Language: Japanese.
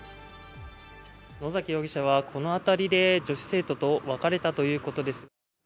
野崎容疑者はこの辺りで女子生徒と別れたということです。